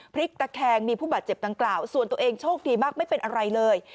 พลิกตะแคงมีผู้บาดเจ็บดังกล่าวส่วนตัวเองโชคดีมากไม่เป็นอะไรเลย